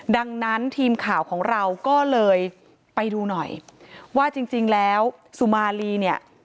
ดังนั้นทีมข่าวของเราก็เลยไปดูหน่อยว่าจริงแล้วสุมาลีเนี่ย